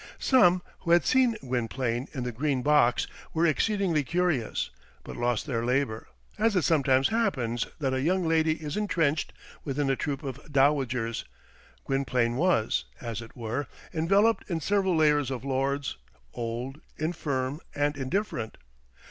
Some, who had seen Gwynplaine in the Green Box, were exceedingly curious, but lost their labour: as it sometimes happens that a young lady is entrenched within a troop of dowagers, Gwynplaine was, as it were, enveloped in several layers of lords, old, infirm, and indifferent.